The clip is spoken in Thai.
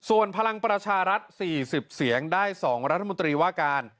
ส่วนพลังประชารัฐ๔๐เสียงได้๒รัฐมนตรีว่าการ